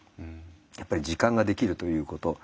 やっぱり時間ができるということ。